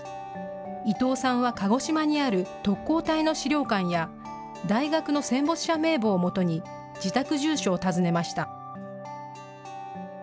伊藤さんは鹿児島にある特攻隊の資料館や大学の戦没者名簿をもとに自宅住所を訪ねました。